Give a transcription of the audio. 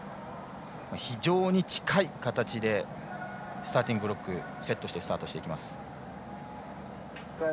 非常に近い形でスターティングブロックをセットしてスタートしていきます。